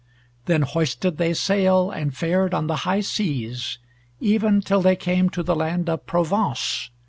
Then hoisted they sail, and fared on the high seas even till they came to the land of Provence.